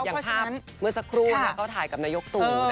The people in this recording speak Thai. อย่างภาพเมื่อสักครู่เขาถ่ายกับนายกตู่